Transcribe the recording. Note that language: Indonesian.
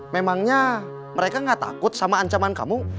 memangnya mereka gak takut sama ancaman kamu